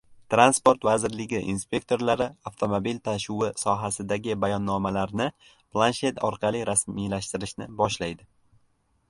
Transport vazirligi inspektorlari avtomobil tashuvi sohasidagi bayonnomalarni planshet orqali rasmiylashtirishni boshlaydi